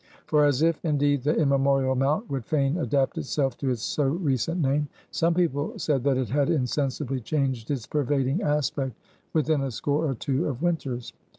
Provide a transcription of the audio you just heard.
For as if indeed the immemorial mount would fain adapt itself to its so recent name, some people said that it had insensibly changed its pervading aspect within a score or two of winters.